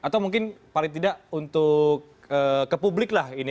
atau mungkin paling tidak untuk ke publik lah ini